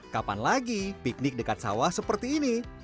kapan lagi piknik dekat sawah seperti ini